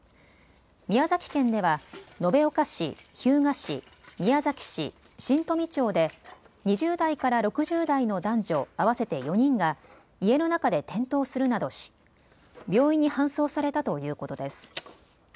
宮崎県では延岡市、日向市、宮崎市、新富町で２０代から６０代の男女合わせて４人が家の中で転倒するなどし、病院に搬送されたということです。